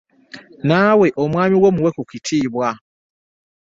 Nawe omwami wo muwe kukitiibwa!